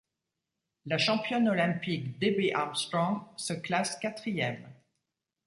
La championne olympique Debbie Armstrong se classe quatrième.